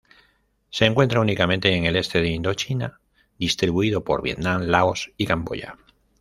Se encuentra únicamente en el este de Indochina, distribuido por Vietnam, Laos y Camboya.